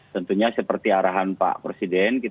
tentunya seperti arahan pak presiden